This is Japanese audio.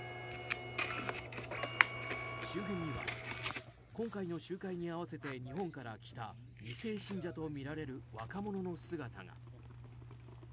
周辺には今回の集会に合わせて日本から来た２世信者とみられる若者の姿が。